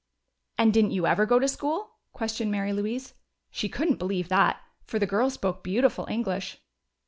"And didn't you ever go to school?" questioned Mary Louise. She couldn't believe that, for the girl spoke beautiful English.